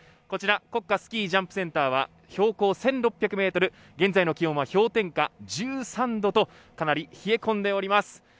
こちら国家スキージャンプセンターは標高１６００メートル現在の気温は氷点下１３度とかなり冷え込んでおります。